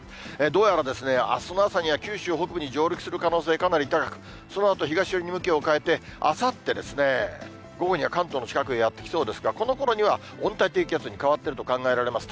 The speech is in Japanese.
どうやらあすの朝には九州北部に上陸する可能性、かなり高く、そのあと東寄りに向きを変えて、あさってですね、午後には関東の近くへやって来そうですが、このころには温帯低気圧に変わってると考えられます。